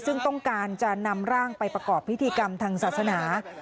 ซึ่งต้องการจะนำร่างไปประกอบพิธีกรรมทางศาสนา